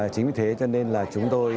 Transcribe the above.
chính vì thế cho nên là chúng tôi